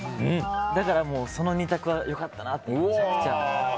だからその２択は良かったなってめちゃくちゃ。